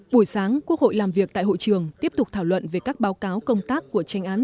buổi sáng quốc hội làm việc tại hội trường tiếp tục thảo luận về các báo cáo công tác của tranh án